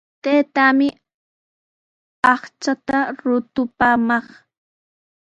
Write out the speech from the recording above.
Taytaami aqchaata rutupaamaq.